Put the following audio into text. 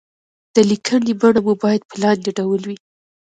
د ليکنې بڼه مو بايد په لاندې ډول وي.